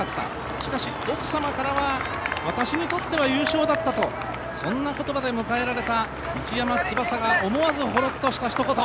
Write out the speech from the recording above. しかし、奥様からは私にとっては優勝だったとそんな言葉で迎えられた市山が思わずほろっとした一言。